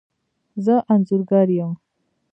زه انځورګر یم